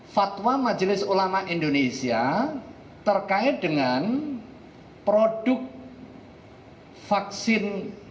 fatwa majelis ulama indonesia terkait dengan produk vaksin